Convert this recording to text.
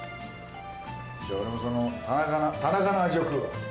じゃあ俺もその田中の味を食うわ。